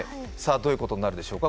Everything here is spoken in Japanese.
どういうことになるでしょうか。